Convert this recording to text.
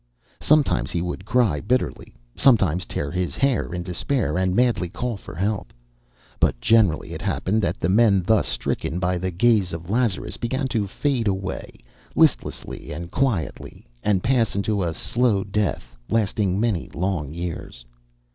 Sometimes he would cry bitterly, sometimes tear his hair in despair and madly call for help; but generally it happened that the men thus stricken by the gaze of Lazarus began to fade away listlessly and quietly and pass into a slow death lasting many long years.